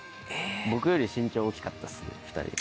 僕より身長大きかったです２人。